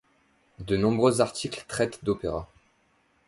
De nombreux articles traitent d’opéras.